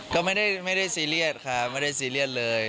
ก็ไม่ได้ซีเรียสครับไม่ได้ซีเรียสเลย